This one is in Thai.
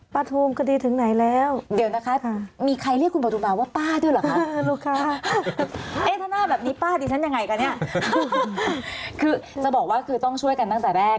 พี่จะบอกว่าคือต้องช่วยกันตั้งแต่แรก